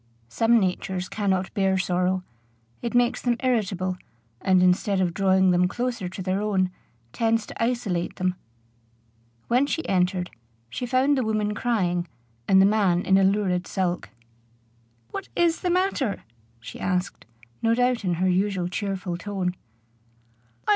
Some natures cannot bear sorrow: it makes them irritable, and, instead of drawing them closer to their own, tends to isolate them. When she entered, she found the woman crying, and the man in a lurid sulk. "What is the matter?" she asked, no doubt in her usual cheerful tone.